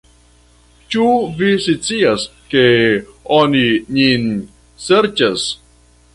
Ĉu vi scias, ke oni nin serĉas?